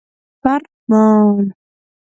فرمان